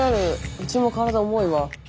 うちも体重いわ。